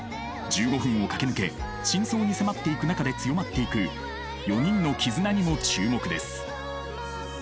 １５分を駆け抜け真相に迫っていく中で強まっていく４人の絆にも注目です。